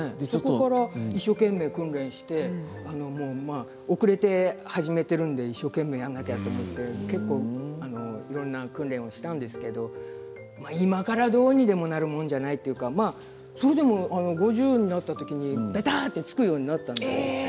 一生懸命訓練して遅れて始めているので一生懸命やらなきゃと思って結構いろいろな訓練をしたんですけども今からどうにもなるもんじゃないというかそれでも５０になった時にべたっとつくようになったんです。